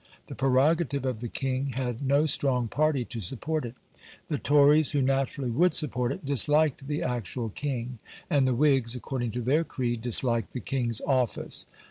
The prerogative of the king had no strong party to support it; the Tories, who naturally would support it, disliked the actual king; and the Whigs, according to their creed, disliked the king's office.